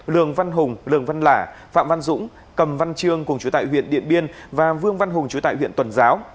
lường văn hùng lường văn lả phạm văn dũng cầm văn trương cùng chủ tại huyện điện biên và vương văn hùng chú tại huyện tuần giáo